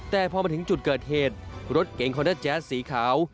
แต่พอมาถึงจุดเกิดเหตุรถเก๋งคอนด้าแจ๊สสีขาว